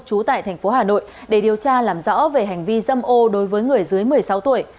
trú tại thành phố hà nội để điều tra làm rõ về hành vi dâm ô đối với người dưới một mươi sáu tuổi